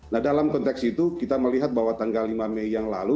nah dalam konteks itu kita melihat bahwa tanggal lima mei yang lalu